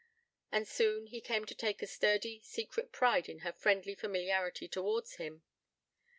And soon, he came to take a sturdy, secret pride in her friendly familiarity towards him.